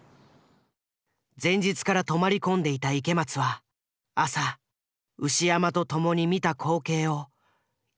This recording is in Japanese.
前日から泊まり込んでいた池松は朝牛山と共に見た光景を今もはっきりと覚えている。